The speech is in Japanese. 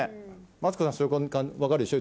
マツコさん分かるでしょ？